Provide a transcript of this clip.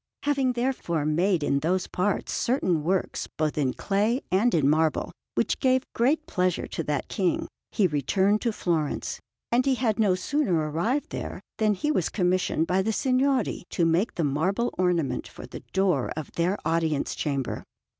Having therefore made in those parts certain works both in clay and in marble, which gave great pleasure to that King, he returned to Florence; and he had no sooner arrived there than he was commissioned by the Signori to make the marble ornament for the door of their Audience Chamber.